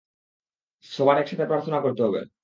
সবার একসাথে প্রার্থনা করতে হবে।